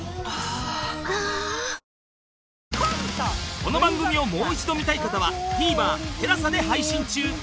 この番組をもう一度見たい方は ＴＶｅｒＴＥＬＡＳＡ で配信中